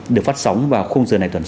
được phát sóng vào khung giờ này tuần sau